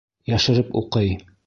Йәшереп уҡый.